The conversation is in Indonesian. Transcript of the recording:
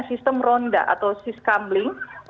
sistem ronda atau scambling